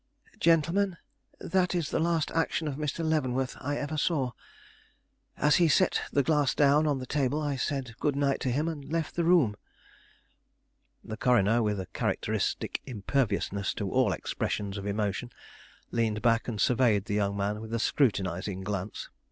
"Gentlemen, that is the last action of Mr. Leavenworth I ever saw. As he set the glass down on the table, I said good night to him and left the room." The coroner, with a characteristic imperviousness to all expressions of emotion, leaned back and surveyed the young man with a scrutinizing glance.